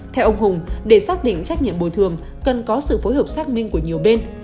theo ông hùng để xác định trách nhiệm bồi thường cần có sự phối hợp xác minh của nhiều bên